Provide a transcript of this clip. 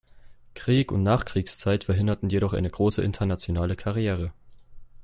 Krieg und Nachkriegszeit verhinderten jedoch eine große internationale Karriere.